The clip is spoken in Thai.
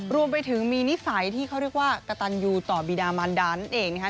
รวมไปถึงมีนิสัยที่เขาเรียกว่ากระตันยูต่อบีดามันดานั่นเองนะคะ